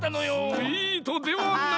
「スイート」ではない！